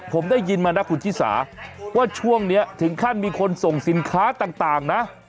ผมได้ยินมานะคุณชิสาว่าช่วงนี้ถึงขั้นมีคนส่งสินค้าต่างนะ